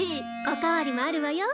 おかわりもあるわよ